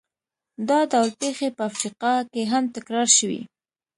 دا ډول پېښې په افریقا کې هم تکرار شوې.